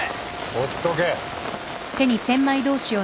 ほっとけ。